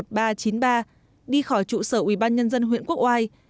của ubnd huyện quốc oai